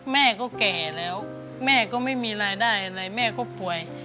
แม่ก็แก่แล้วแม่ก็ไม่มีรายได้อะไรแม่ก็ป่วย